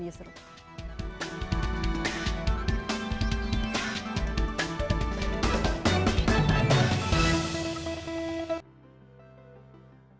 kepada bukit bukit indonesia